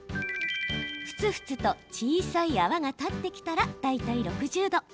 ふつふつと小さい泡が立ってきたら大体６０度。